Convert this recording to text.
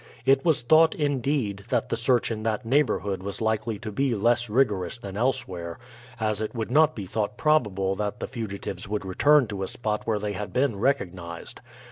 It was thought, indeed, that the search in that neighborhood was likely to be less rigorous than elsewhere, as it would not be thought probable that the fugitives would return to a spot where they had been recognized.